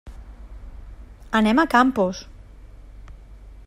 Anem a Campos.